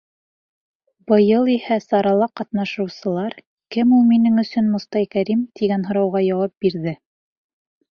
Быйыл иһә сарала ҡатнашыусылар «Кем ул минең өсөн Мостай Кәрим?» тигән һорауға яуап бирҙе.